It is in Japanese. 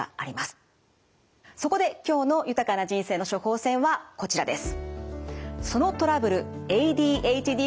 そこで今日の豊かな人生の処方せんはこちらです。